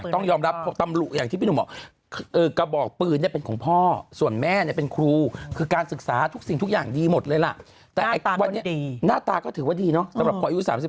ต้องยอมรับตำรุอย่างที่พี่หนุ่มบอก